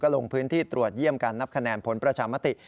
ลงพื้นที่ตรวจเยี่ยมการนับคะแนนผลประชามติ